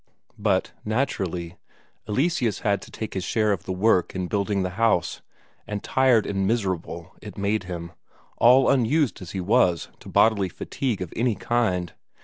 But, naturally, Eleseus had to take his share of the work in building the house; and tired and miserable it made him, all unused as he was to bodily fatigue of any kind.